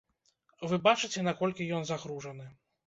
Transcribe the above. Вы бачыце, наколькі ён загружаны.